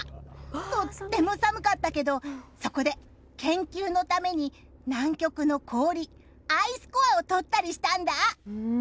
とっても寒かったけどそこで研究のために南極の氷アイスコアを取ったりしたんだ。